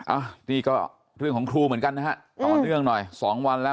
อ่ะนี่ก็เรื่องของครูเหมือนกันนะฮะต่อเนื่องหน่อยสองวันแล้ว